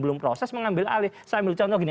belum proses mengambil alih saya ambil contoh gini